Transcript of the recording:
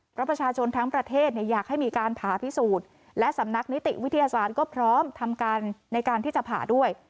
เพราะประชาชนทั้งประเทศเนี่ยอยากให้มีการผ่าพิสูจน์และสำนักนิติวิทยาศาสตร์ก็พร้อมทำการในการที่จะผ่าด้วย